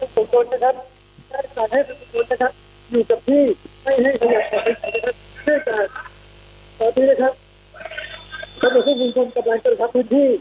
ส่วนหน่อยนะครับ